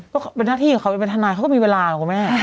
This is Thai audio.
ก็เป็นหน้าที่ของเขาเป็นทนายเขาก็มีเวลานะคุณแม่